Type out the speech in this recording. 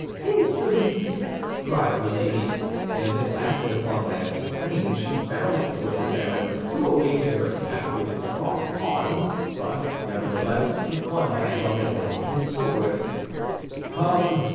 "Insolent!" cried Milady; and as if acted upon by a spring, she bounded toward the baron, who awaited her attack with his arms crossed, but nevertheless with one hand on the hilt of his sword. "Come!"